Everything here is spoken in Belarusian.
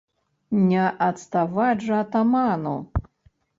Не адставаць жа атаману?